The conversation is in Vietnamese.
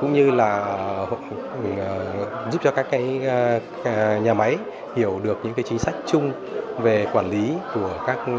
cũng như là giúp cho các nhà máy hiểu được những chính sách chung về quản lý của các doanh nghiệp